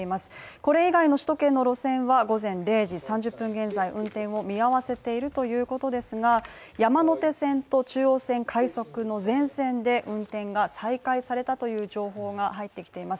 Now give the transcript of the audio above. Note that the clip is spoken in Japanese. これ以外の首都圏の路線は午前０時３０分現在、運転を見合わせているということですが、山手線と中央線快速の全線で運転が再開されたという情報が入ってきています